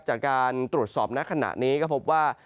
จากการตรวจสอบณขณะนี้ก็พบว่า